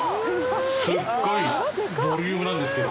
すごいボリュームなんですけど。